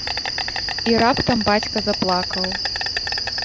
І раптам бацька заплакаў.